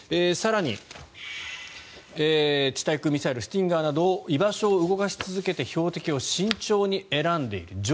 更に、地対空ミサイルスティンガーなどを居場所を動かし続けて標的を慎重に選んでいる。